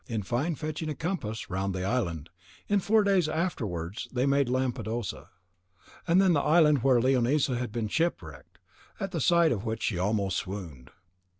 In fine, fetching a compass round the island, in four days afterwards they made Lampadosa, and then the island where Leonisa had been shipwrecked, at sight of which she almost swooned.